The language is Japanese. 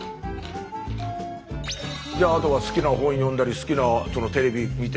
じゃああとは好きな本読んだり好きなテレビ見て。